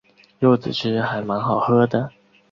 柚子汁还蛮好喝的